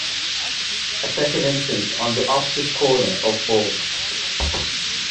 A second entrance on the opposite corner of Boul.